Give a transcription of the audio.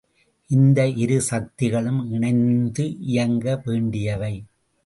இந்த இருசக்திகளும் இணைந்து இயங்க வேண்டியவை.